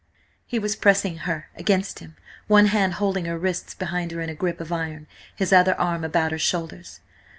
He was pressing her against him, one hand holding her wrists behind her in a grip of iron, his other arm about her shoulders.